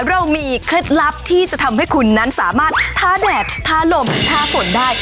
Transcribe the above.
เรามีเคล็ดลับที่จะทำให้คุณนั้นสามารถท้าแดดท้าลมท้าฝนได้